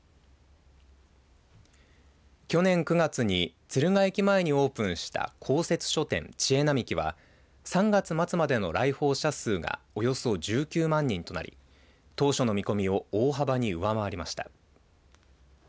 去年９月に敦賀駅前にオープンした公設書店ちえなみきは３月末までの来訪者数がおよそ１９万人となり当初の見込みを大幅に上回りました。